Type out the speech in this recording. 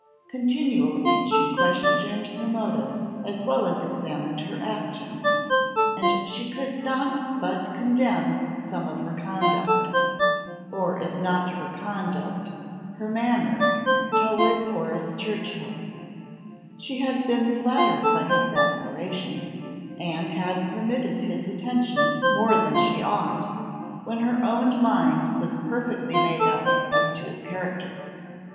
Continually she questioned her motives as well as examined her actions, and she could not but condemn some of her conduct, or if not her conduct, her manner, towards Horace Churchill; she had been flattered by his admiration, and had permitted his attentions more than she ought, when her own mind was perfectly made up as to his character.